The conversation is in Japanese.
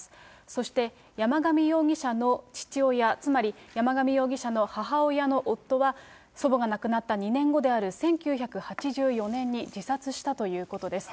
そして山上容疑者の父親、つまり山上容疑者の母親の夫は、祖母が亡くなった２年後である１９８４年に自殺したということです。